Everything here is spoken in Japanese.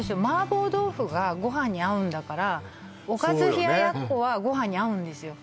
麻婆豆腐がご飯に合うんだからおかず冷奴はご飯に合うんですよ